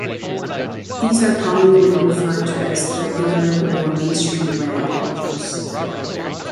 These are commonly referred to as the "regular" or "mainstream" Grand Lodges.